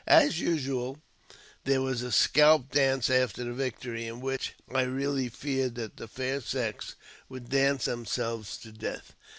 As usual, there was a scalp dance after the victory, in which I really feared that the fair sex would dance themselves to death.